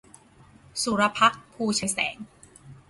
สุรภักดิ์ ภูไชยแสง